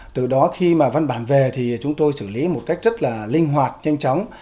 từ đó khi mà văn bản về thì chúng tôi xử lý một cách rất là linh hoạt nhanh chóng